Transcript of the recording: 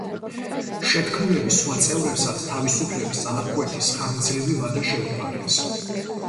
შეთქმულების სხვა წევრებსაც თავისუფლების აღკვეთის ხანგრძლივი ვადა შეუფარდეს.